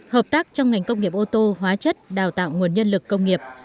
hợp tác trong ngành công nghiệp ô tô hóa chất đào tạo nguồn nhân lực công nghiệp